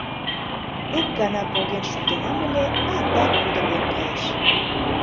Ик гана поген шуктенам ыле, адак пудырген кайыш.